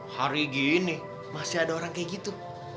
hari gini masih ada orang kayak gitu